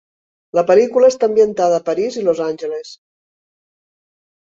La pel·lícula està ambientada a París i Los Angeles.